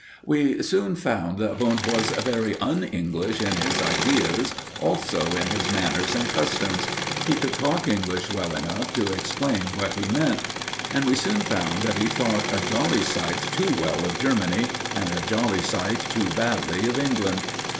We soon found that Wundt was very un English in his ideas, also in his manners and customs. He could talk English well enough to explain what he meant, and we soon found that he thought a jolly sight too well of Germany and a jolly sight too badly of England.